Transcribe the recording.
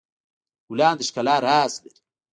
ګلان د ښکلا راز لري.